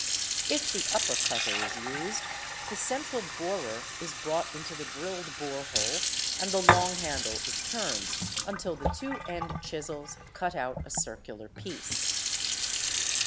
If the upper cutter is used, the central borer is brought into the drilled bore hole and _ the long handle is turned until the two end chisels have cut out a circular piece.